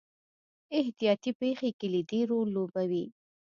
احتیاطي پېښې کلیدي رول لوبوي.